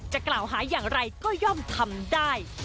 กล่าวหาอย่างไรก็ย่อมทำได้